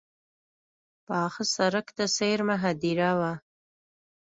پاخه سړک ته څېرمه هدیره وه.